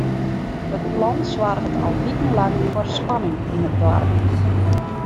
It plan soarget al wikenlang foar spanning yn it doarp.